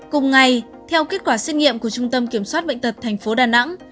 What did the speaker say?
cùng ngày theo kết quả xét nghiệm của trung tâm kiểm soát bệnh tật thành phố đà nẵng